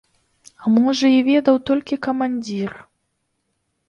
А можа, і ведаў толькі камандзір.